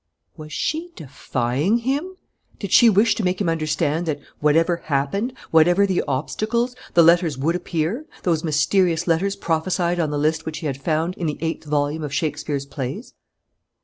Was she defying him? Did she wish to make him understand that, whatever happened, whatever the obstacles, the letters would appear, those mysterious letters prophesied on the list which he had found in the eighth volume of Shakespeare's plays?